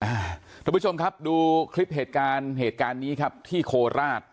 ทุกผู้ชมครับดูคลิปเหตุการณ์เหตุการณ์นี้ครับที่โคราช